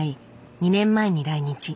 ２年前に来日。